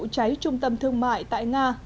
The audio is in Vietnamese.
cháy trung tâm thương mại tại nga